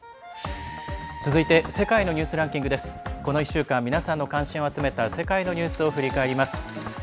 続いて「世界のニュースランキング」。この１週間皆さんの関心を集めた世界のニュースを振り返ります。